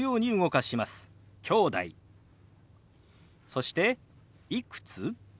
そして「いくつ？」。